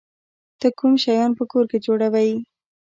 ته کوم شیان په کور کې جوړوی؟